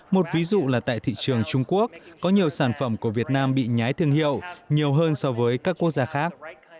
một ví dụ là tại thị trường trung quốc có nhiều sản phẩm của việt nam bị nhái thương hiệu nhiều hơn so với các quốc gia khác